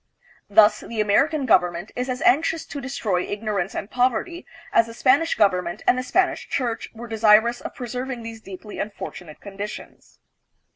Thus, the American government is as anxious to destroy ignorance and pov erty as the Spanish government and the Spanish church were desirous of preserving these deeply unfortunate con ditions.